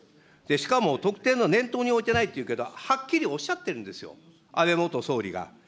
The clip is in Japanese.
しかも、特定の念頭に置いてないと言ってるけど、はっきりおっしゃってるんですよ、安倍元総理が。